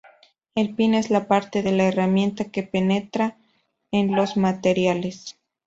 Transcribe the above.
El pin es la parte de la herramienta que penetra en los materiales.